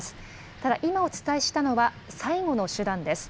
ただ、今お伝えしたのは、最後の手段です。